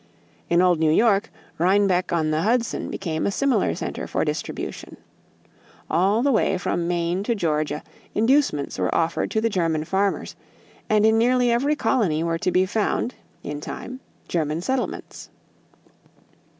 In old New York, Rhinebeck on the Hudson became a similar center for distribution. All the way from Maine to Georgia inducements were offered to the German farmers and in nearly every colony were to be found, in time, German settlements.